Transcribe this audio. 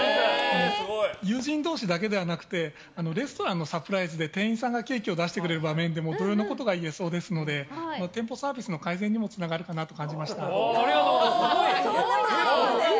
友人同士だけではなくレストランのサプライズで店員さんがケーキを出してくれる場面でも同様のことがいえそうですので店舗サービスの改善にもつながるかなと感じました。